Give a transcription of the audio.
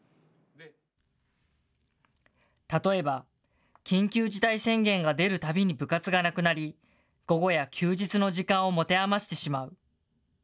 例えば、緊急事態宣言が出るたびに部活がなくなり、午後や休日の時間を持て余してしまう。